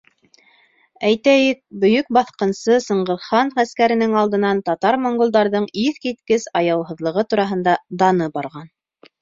Әйтәйек, бөйөк баҫҡынсы Сыңғыҙхан ғәскәренең алдынан татар-монголдарҙың иҫ киткес аяуһыҙлығы тураһында даны барған.